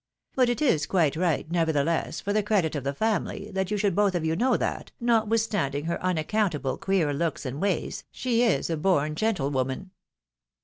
But it is quite right, nevertheless, for the credit of the family, that you should both of you know that, notwithstanding her unaccountable queer looks and ways, she is a born gentlewoman."